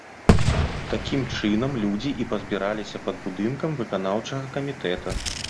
Такім чынам людзі і пазбіраліся пад будынкам выканаўчага камітэта.